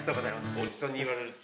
おじさんに言われて。